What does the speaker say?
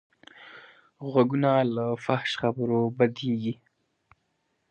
غوږونه له فحش خبرو بدېږي